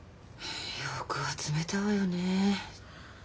よく集めたわよね。